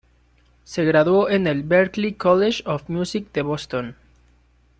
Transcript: Se graduó en el Berklee College of Music de Boston.